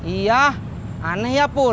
iya aneh ya pur